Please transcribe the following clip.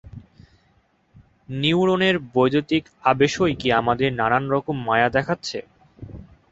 নিউরোনের বৈদ্যুতিক আবেশই কি আমাদের নানান রকম মায়া দেখাচ্ছে?